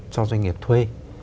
cho doanh nghiệp thuê